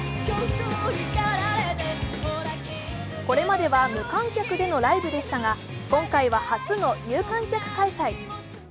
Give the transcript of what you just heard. これまでは無観客でのライブでしたが、今回は初の有観客開催。